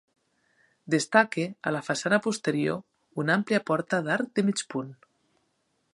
Destaca, a la façana posterior, una àmplia porta d'arc de mig punt.